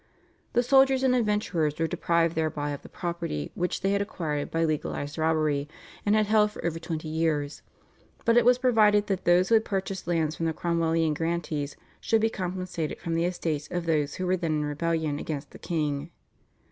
The soldiers and adventurers were deprived thereby of the property which they had acquired by legalised robbery and had held for over twenty years, but it was provided that those who had purchased lands from the Cromwellian grantees should be compensated from the estates of those who were then in rebellion against the king.